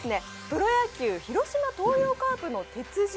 プロ野球広島東洋カーブの鉄人